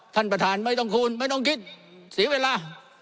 ท่านประธานไม่ต้องคูณไม่ต้องคิดเสียเวลา